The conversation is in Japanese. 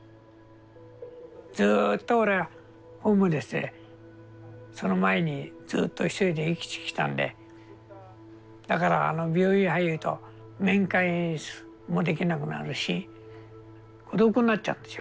ずっと俺はホームレスでその前にずっと一人で生きてきたんでだからあの病院入ると面会もできなくなるし孤独になっちゃうんですよ